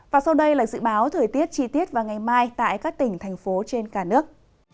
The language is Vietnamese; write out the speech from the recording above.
và sau đây là dự báo thời tiết chi tiết vào ngày mai tại các tỉnh thành phố trên cả nước